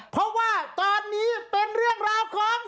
เพราะว่าตอนนี้เป็นเรื่องราวของ